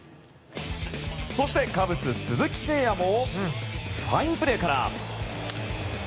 そしてカブス、鈴木誠也もファインプレーから。